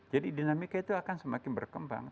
jadi dinamika itu akan semakin berkembang